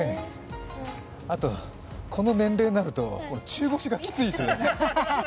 あとこの年齢になると中腰がきついですね。